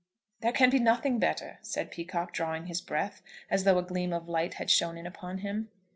"There can be nothing better," said Peacocke drawing his breath, as though a gleam of light had shone in upon him.